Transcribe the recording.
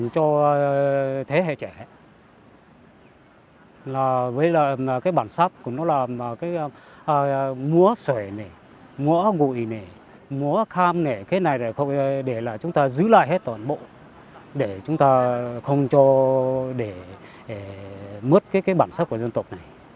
cái này để chúng ta giữ lại hết toàn bộ để chúng ta không cho để mất cái bản sắc của dân tộc này